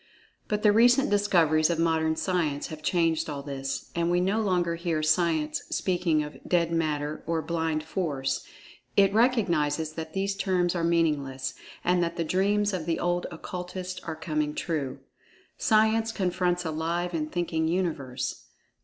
But the recent discoveries of modern Science has changed all this, and we no longer hear Science speaking of "dead Matter" or "blind Force"—it recognizes that these terms are meaningless, and that the dreams of the old Occultists are coming true. Science confronts a live and thinking Universe.